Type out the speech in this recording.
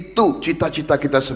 tidak ada yang asli